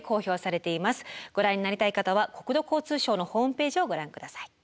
ご覧になりたい方は国土交通省のホームページをご覧ください。